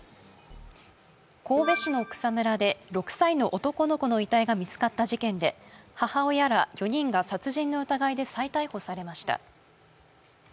神戸市の草むらで６歳の男の子の遺体が見つかった事件で母親ら４人が殺人の疑いで再逮捕されました。